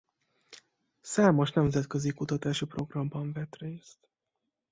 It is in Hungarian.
Számos nemzetközi kutatási programban vett részt.